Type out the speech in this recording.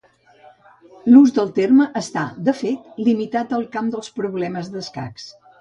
L'ús del terme està de fet limitat al camp dels problemes d'escacs.